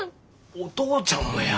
お父ちゃんもや。